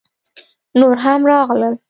_نور هم راغلل!